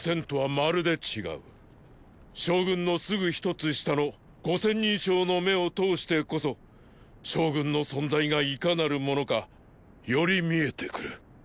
将軍のすぐ一つ下の五千人将の目を通してこそ将軍の存在がいかなるものかより見えてくる。